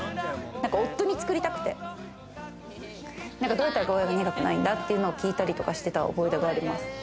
夫に作りたくて、どうやったらゴーヤに苦くないかって聞いたりしてた思い出があります。